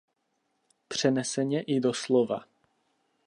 Přeneseně i doslova.